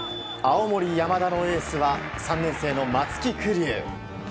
青森山田のエースは３年生の松木玖生。